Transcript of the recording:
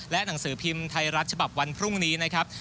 หนังสือพิมพ์ไทยรัฐฉบับวันพรุ่งนี้นะครับ